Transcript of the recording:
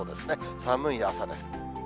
寒い朝です。